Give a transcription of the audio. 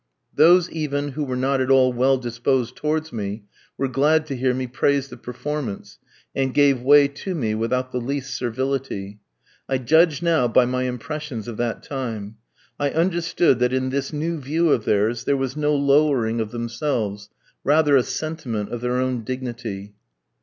Those, even, who were not at all well disposed towards me, were glad to hear me praise the performance, and gave way to me without the least servility. I judged now by my impressions of that time. I understood that in this new view of theirs there was no lowering of themselves; rather a sentiment of their own dignity.